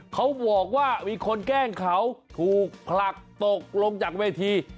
เขาบอกว่ามีคนแกล้งเขาถูกผลักตกลงจากเวที